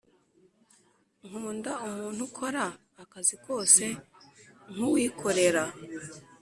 Nkunda umuntu ukora akazi kose nkuwikorera